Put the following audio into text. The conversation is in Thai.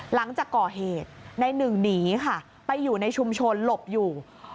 หลังจากก่อเหตุในหนึ่งหนีค่ะไปอยู่ในชุมชนหลบอยู่